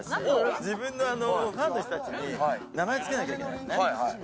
自分のファンの人たちに名前つけなきゃいけないのね。